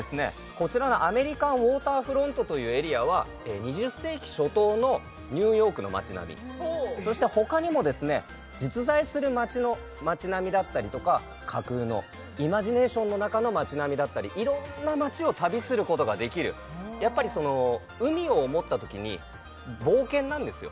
こちらのアメリカンウォーターフロントというエリアは２０世紀初頭のニューヨークの街並みそしてほかにもですね実在する街の街並みだったりとか架空のイマジネーションの中の街並みだったり色んな街を旅することができるやっぱり海を思った時に冒険なんですよ